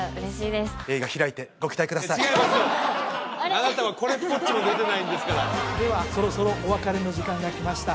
あなたはこれっぽっちも出てないんですからではそろそろお別れの時間が来ました